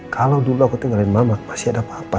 kalau dulu aku tinggalin mama masih ada papa